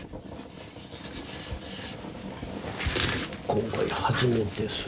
今回初めてする。